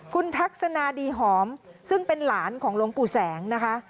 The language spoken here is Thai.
คุณทักษณาดีหอมซึ่งเป็นหลานของหลวงปู่แสงนะคะ